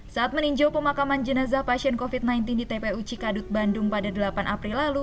saat meninjau pemakaman jenazah pasien covid sembilan belas di tpu cikadut bandung pada delapan april lalu